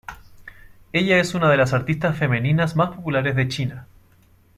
Ella es una de las artistas femeninas más populares de China.